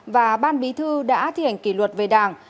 và ban bí thư đã thi hành kỷ luật về đảng